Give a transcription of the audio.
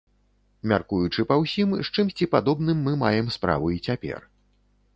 Мяркуючы па ўсім, з чымсьці падобным мы маем справу і цяпер.